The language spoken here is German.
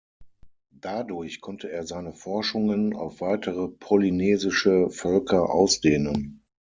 Dadurch konnte er seine Forschungen auf weitere polynesische Völker ausdehnen.